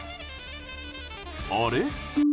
あれ？